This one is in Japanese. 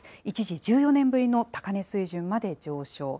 一時１４年ぶりの高値水準にまで上昇。